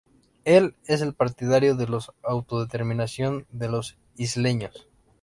Él es partidario de la autodeterminación de los isleños.